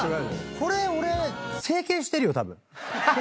これ俺整形してるよ。